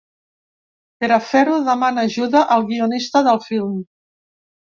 Per a fer-ho demana ajuda al guionista del film.